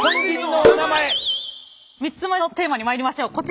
３つ目のテーマにまいりましょう。